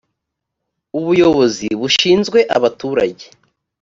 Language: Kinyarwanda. ubuyobozi bushinzwe abaturage.